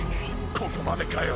ここまでかよ！